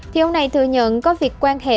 thì ông này thừa nhận có việc quan hệ